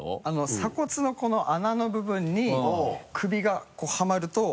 鎖骨のこの穴の部分に首がはまると。